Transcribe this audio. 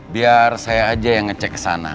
biar saya aja yang ngecek sana